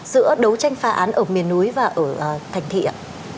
giữa đấu tranh phá án ở miền núi và ở thành thị ạ